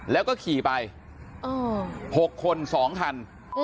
แล้วก็ขี่ไป๖คน๒คัน